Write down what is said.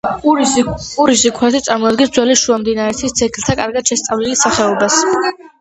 ურის ზიქურათი წარმოადგენს ძველი შუამდინარეთის ძეგლთა კარგად შესწავლილ სახეობას.